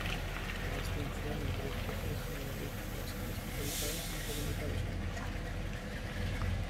La distinción entre especies generalistas y especializadas no se limita a los animales.